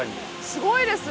すごいです！